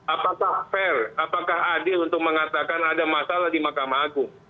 apakah fair apakah adil untuk mengatakan ada masalah di mahkamah agung